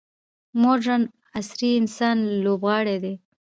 مډرن عصر انسان لوبغاړی دی.